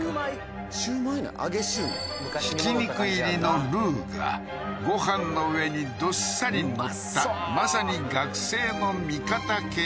ひき肉入りのルウがご飯の上にどっさり載ったまさに学生の味方系